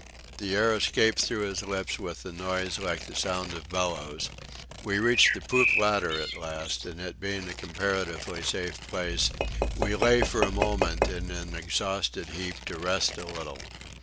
The air escaped through his lips with a noise like the sound of bellows. We reached the poop ladder at last, and it being a comparatively safe place, we lay for a moment in an exhausted heap to rest a little.